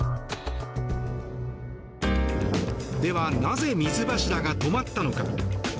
では、なぜ水柱が止まったのか。